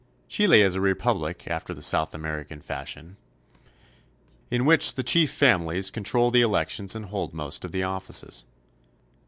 Chile is a republic after, the South American fashion, in 128 CHILE. which the chief families control the elections and hold most of the offices.